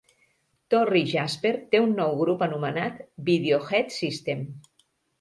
Torry Jasper té un nou grup anomenat Video Head System.